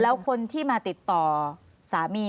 แล้วคนที่มาติดต่อสามี